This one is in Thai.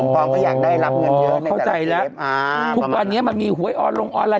สมปองก็อยากได้รับเงินเยอะในแต่ละเวลา